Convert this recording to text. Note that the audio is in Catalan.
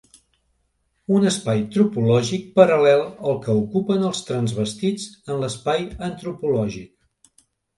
Un espai tropològic paral·lel al que ocupen els transvestits en l'espai antropològic.